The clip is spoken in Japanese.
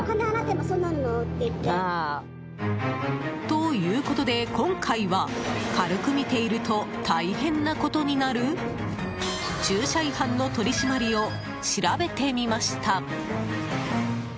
ということで、今回は軽く見ていると大変なことになる駐車違反の取り締まりを調べてみました。